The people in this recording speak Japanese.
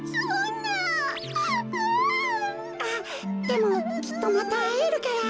でもきっとまたあえるから。